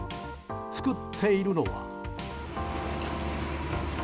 作っているのは？